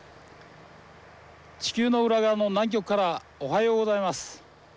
地球の裏側の南極からおはようございます。